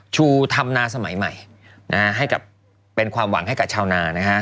ชูทำนาสมัยใหม่เป็นความหวังให้กับชาวนา